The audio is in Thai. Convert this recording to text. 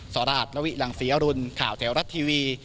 สราชนวิหลังศรีอรุณข่าวแถวรัฐทีวี